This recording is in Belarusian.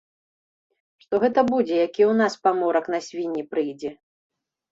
Што гэта будзе, як і ў нас паморак на свінні прыйдзе.